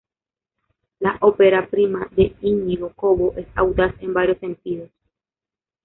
La ópera prima de Iñigo Cobo es audaz en varios sentidos.